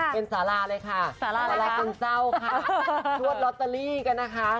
เป็นสาราเลยค่ะสาราสาราคนเศร้าค่ะนวดลอตเตอรี่กันนะคะ